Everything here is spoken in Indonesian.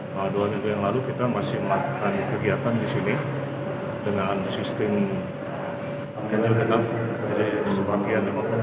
tidak ada kegiatan untuk hakim hakim dan panitera peganti